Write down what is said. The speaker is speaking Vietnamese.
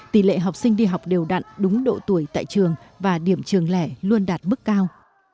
tỷ lệ học sinh đi học đều đặn đúng độ tuổi tại trường và điểm trường lẻ luôn đạt mức cao